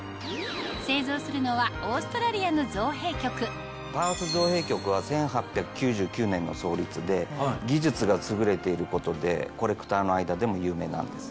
製造するのはオーストラリアの造幣局技術が優れていることでコレクターの間でも有名なんです。